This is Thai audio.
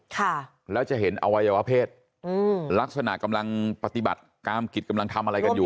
ค่ะแล้วจะเห็นอวัยวะเพศอืมลักษณะกำลังปฏิบัติกามกิจกำลังทำอะไรกันอยู่